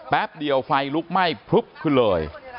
แป๊บเดียวไฟลุกไหม้พลึบขึ้นเลย